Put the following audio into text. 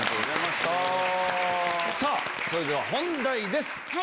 さぁそれでは本題です。